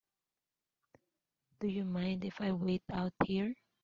Do you mind if I wait out here?